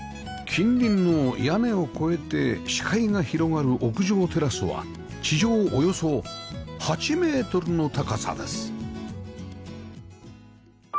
近隣の屋根を越えて視界が広がる屋上テラスは地上およそ８メートルの高さです